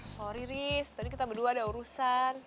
sorry risk tadi kita berdua ada urusan